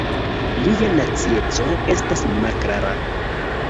Lia nacieco estas malklara.